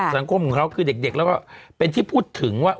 สังคมของเขาคือเด็กแล้วก็เป็นที่พูดถึงว่า